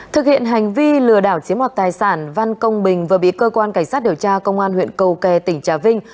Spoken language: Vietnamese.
thực hiện hành vi lừa đảo chiếm hoạt tài sản văn công bình vừa bị cơ quan cảnh sát điều tra công an huyện cầu kè tỉnh trà vinh